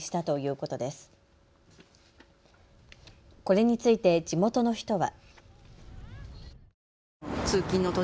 これについて地元の人は。